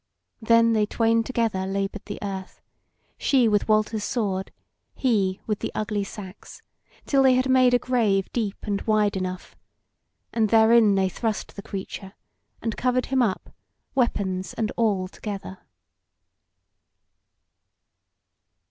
Then they twain together laboured the earth, she with Walter's sword, he with the ugly sax, till they had made a grave deep and wide enough; and therein they thrust the creature, and covered him up, weapons and all together.